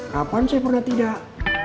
kapan saya pernah tidak